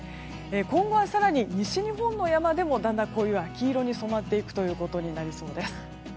今後は更に西日本の山でもだんだん秋色に染まっていくことになりそうです。